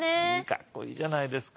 かっこいいじゃないですか。